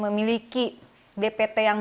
memiliki dpt yang